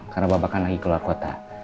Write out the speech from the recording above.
karena bapak kan lagi keluar kota